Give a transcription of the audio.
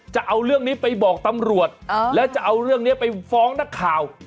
จะเอาเรื่องนี้ไปบอกตำรวจแล้วจะเอาเรื่องนี้ไปฟ้องนักข่าว